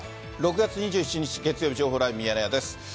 ６月２７日月曜日、情報ライブミヤネ屋です。